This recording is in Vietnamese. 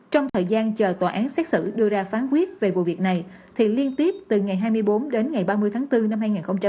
trong thời gian chờ tòa án xét xử đưa ra phán quyết về vụ việc này thì liên tiếp từ ngày hai mươi bốn đến ngày ba mươi tháng bốn năm hai nghìn hai mươi